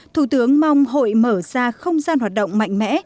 thủ tướng mong hội mở ra không gian hoạt động mạnh mẽ